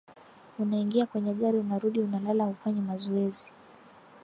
unaingia kwenye gari unarudi una lala hufanyi mazoezi